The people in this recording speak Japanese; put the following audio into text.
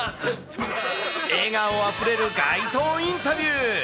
笑顔あふれる街頭インタビュー。